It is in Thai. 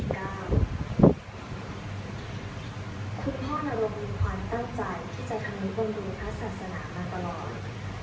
คุณพ่อนรมมีความตั้งใจที่จะทำนิวบริษัทศาสนามาตลอด